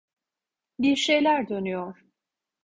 Bir şeyler dönüyor.